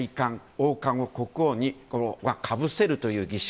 王冠を国王にかぶせるという儀式。